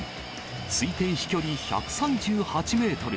推定飛距離１３８メートル。